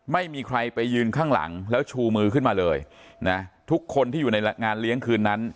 ไม่มีใครไปยืนข้างหลังแล้วชูมือขึ้นมาเลยนะทุกคนที่อยู่ในงานเลี้ยงคืนนั้น